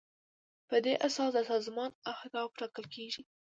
په دې اساس د سازمان اهداف ټاکل کیږي.